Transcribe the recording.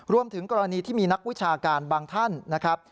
รวมถึงกรณีที่มีนักวิชาการบางท่านนะครับ